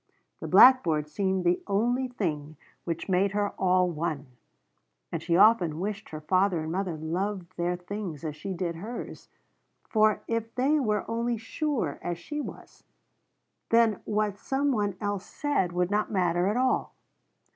The blackboard seemed the only thing which made her all one, and she often wished her father and mother loved their things as she did hers, for if they were only sure, as she was, then what some one else said would not matter at all.